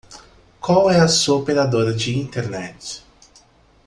Qual é a sua operadora de internet?